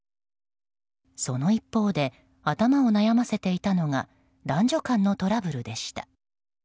その一方で頭を悩ませていたのが男女間のトラブルでした。